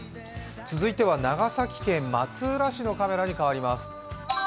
続いては長崎県松浦市のカメラに変わります。